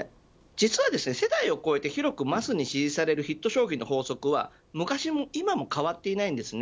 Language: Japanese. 実は世代を超えて広くマスに支持されるヒット商品の法則は昔も今も変わっていません。